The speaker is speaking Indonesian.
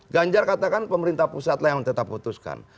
ganjar katakan pemerintah pusat lah yang tetap putuskan